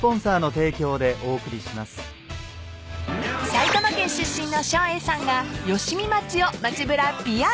［埼玉県出身の照英さんが吉見町を街ぶらＰＲ］